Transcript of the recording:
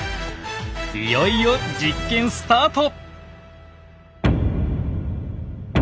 いよいよ実験スタート。